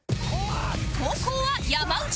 後攻は山内